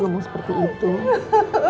kamu kasih orang ramos